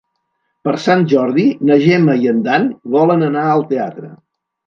Per Sant Jordi na Gemma i en Dan volen anar al teatre.